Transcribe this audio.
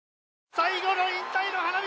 最後の引退の花道！